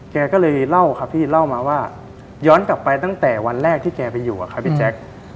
แกก็เลยเล่าครับพี่เล่ามาว่าย้อนกลับไปตั้งแต่วันแรกที่แกไปอยู่อะครับพี่แจ๊ค